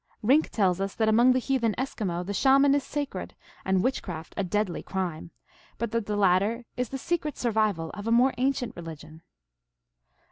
Rink tells us that among the heathen Eskimo the Shaman is sacrecl, and witchcraft a deadly crime, but that the latter is the secret survival cf a more ancient religion.